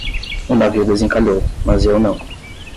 O navio desencalhou, mas eu não